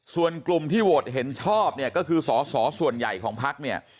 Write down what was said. ส่วนกลุ่มที่โหวตเห็นชอบเนี่ยก็คือสอสอส่วนใหญ่ของพักเนี่ย